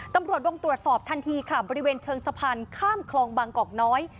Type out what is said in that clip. ตำรวจลงตรวจสอบทันทีค่ะบริเวณเชิงสะพานข้ามคลองบางกอกน้อย